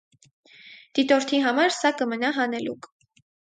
Դիտորդի համար սա կմնա հանելուկ։